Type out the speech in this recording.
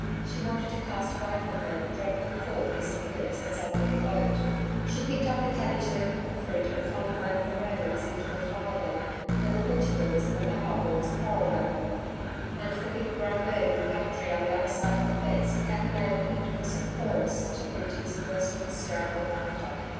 She wanted to cast away from her the dreadful thought his appearance had suddenly evoked. She picked up the cabbage leaf with the fruit and flung them over the railings into a flower bed, where the butcher birds and the bower birds quarrelled over them, and the big, grey bird in the gum tree on the other side of the fence cachinnated in derisive chorus to Bridget's burst of hysterical laughter.